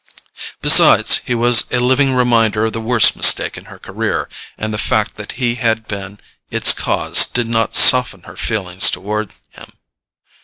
Besides, he was a living reminder of the worst mistake in her career, and the fact that he had been its cause did not soften her feelings toward him.